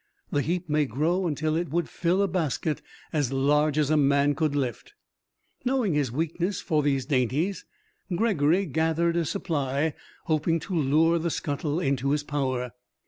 The heap may grow until it would fill a basket as large as a man could lift. Knowing his weakness for these dainties, Gregory gathered a supply, hoping to lure the scuttle into his power.